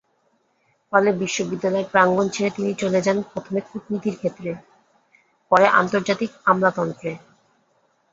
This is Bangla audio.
ফলে বিশ্ববিদ্যালয়-প্রাঙ্গণ ছেড়ে তিনি চলে যান প্রথমে কূটনীতির ক্ষেত্রে, পরে আন্তর্জাতিক আমলাতন্ত্রে।